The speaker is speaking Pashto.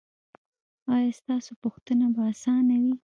ایا ستاسو پوښتنه به اسانه وي؟